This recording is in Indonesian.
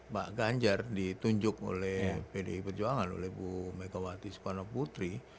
pak ganjar ditunjuk oleh pdi perjuangan oleh bu megawati soekarno putri